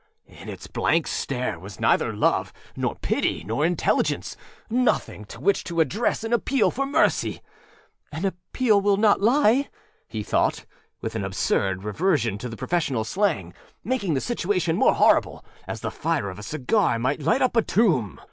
In its blank stare was neither love, nor pity, nor intelligenceânothing to which to address an appeal for mercy. âAn appeal will not lie,â he thought, with an absurd reversion to professional slang, making the situation more horrible, as the fire of a cigar might light up a tomb.